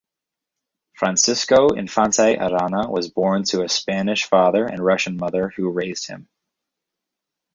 Francisco Infante-Arana was born to a Spanish father and Russian mother, who raised him.